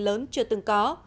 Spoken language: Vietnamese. lớn chưa từng có